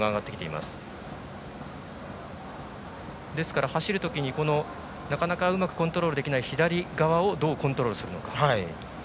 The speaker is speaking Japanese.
ですから、走るときになかなかうまくコントロールできない左側をどうコントロールするのか。